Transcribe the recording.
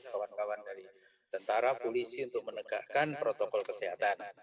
kawan kawan dari tentara polisi untuk menegakkan protokol kesehatan